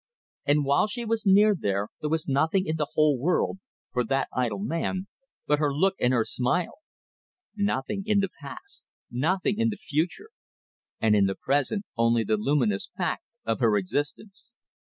And while she was near there was nothing in the whole world for that idle man but her look and her smile. Nothing in the past, nothing in the future; and in the present only the luminous fact of her existence.